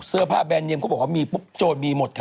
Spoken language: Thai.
เสื้อผ้าแบรนเดียมเขาบอกว่ามีปุ๊บโจทย์มีหมดค่ะ